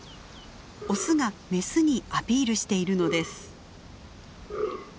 オスがメスにアピールしているのです。